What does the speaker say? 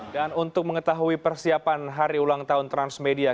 dan untuk mengetahui persiapan hari ulang tahun transmedia